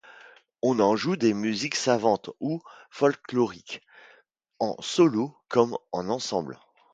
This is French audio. On en joue des musiques savantes ou folkloriques en solo comme en ensemble.